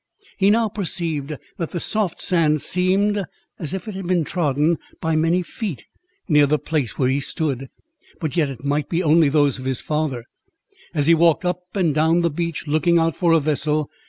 He now perceived that the soft sand seemed as if it had been trodden by many feet, near the place where he stood; but yet it might be only those of his father, as he walked up and down the beach, looking out for a vessel.